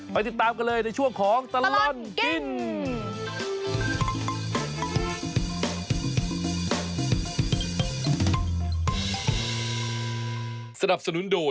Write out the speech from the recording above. ติดตามกันเลยในช่วงของตลอดกิน